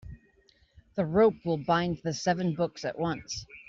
The rope will bind the seven books at once.